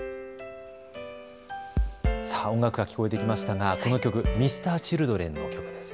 音楽が聞こえてきましたがこの曲、Ｍｒ．Ｃｈｉｌｄｒｅｎの曲です。